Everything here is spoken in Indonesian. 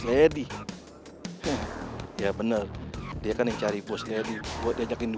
lagi pada nungguin siapa